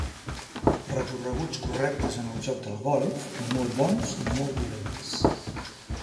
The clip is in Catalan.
Recorreguts correctes en el joc del golf, ni molt bons ni molt dolents.